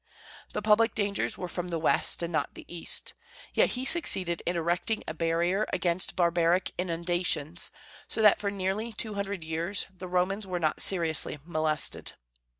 The public dangers were from the West and not the East. Yet he succeeded in erecting a barrier against barbaric inundations, so that for nearly two hundred years the Romans were not seriously molested.